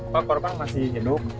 pak korpang masih hidup